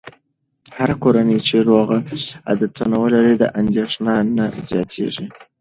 هره کورنۍ چې روغ عادتونه ولري، اندېښنه نه زیاتېږي.